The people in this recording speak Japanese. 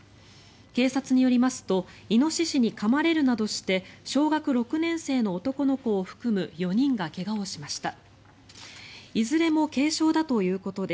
警察によりますとイノシシにかまれるなどして小学６年生の男の子を含む４人が怪我をしました。